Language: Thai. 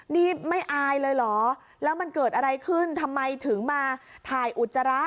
นี่ไม่อายเลยเหรอแล้วมันเกิดอะไรขึ้นทำไมถึงมาถ่ายอุจจาระ